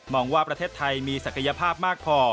องว่าประเทศไทยมีศักยภาพมากพอ